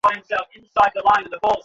তারা যা বলে তা সত্যই বিশ্বাস করে।